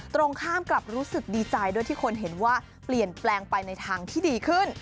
ตรงข้ามกลับรู้สึกดีใจด้วยที่คนเห็นว่าเปลี่ยนแปลงไปในทางที่ดีขึ้น